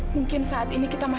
mungkin saat ini kita masih